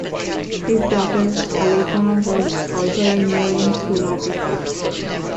His daughter, Alethea, was also a Newlyn School artist.